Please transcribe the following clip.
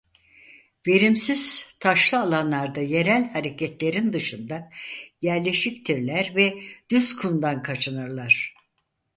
Verimsiz taşlı alanlarda yerel hareketlerin dışında yerleşiktirler ve düz kumdan kaçınırlar.